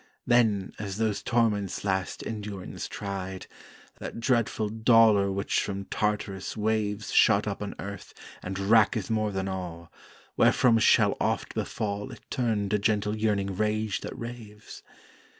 Then, as those torments last endurance tried, That dreadful dolour which from Tartarus's waves Shot up on earth and racketh more than all, Wherefrom shall oft befall It turn to gentle yearning rage that raves?